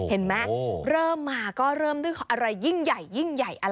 เห็นไหมเริ่มก็เริ่มด้วยอะไรยิ่งใหญ่อลังการ